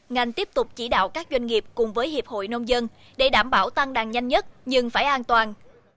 ngành tiếp tục chỉ đạo các doanh nghiệp cùng với hiệp hội nông dân để đảm bảo tăng đàn nhanh nhất nhưng phải an toàn